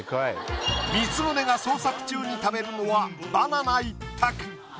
光宗が創作中に食べるのはバナナ一択。